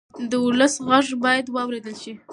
د ولس غږ باید واورېدل شي.